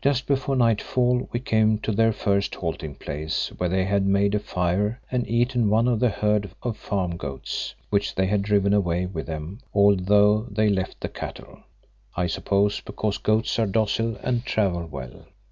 Just before nightfall we came to their first halting place where they had made a fire and eaten one of the herd of farm goats which they had driven away with them, although they left the cattle, I suppose, because goats are docile and travel well.